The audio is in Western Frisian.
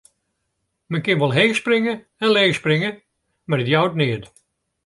Men kin wol heech springe en leech springe, mar it jout neat.